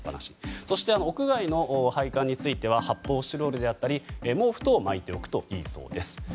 そして屋外の配管については発泡スチロールであったり毛布等を巻いておくといいそうです。